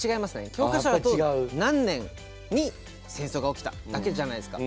教科書だと何年に戦争が起きただけじゃないですか。